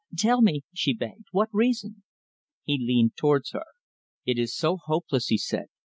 "Tell me," she begged, "what reason?" He leaned towards her. "It is so hopeless," he said.